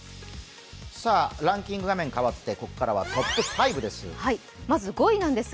ランキング画面変わってここからはトップ５です。